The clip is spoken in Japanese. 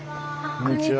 こんにちは。